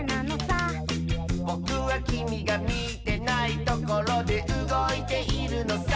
「ぼくはきみがみてないところでうごいているのさ」